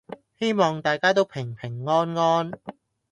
希望大家都平平安安